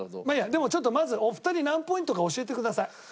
でもちょっとまずお二人何ポイントか教えてください。